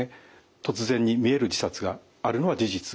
突然に見える自殺があるのは事実です。